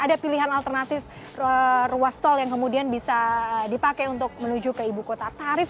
ada pilihan alternatif ruas tol yang kemudian bisa dipakai untuk menuju ke ibu kota tarif